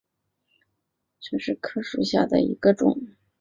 血见愁为唇形科香科科属下的一个种。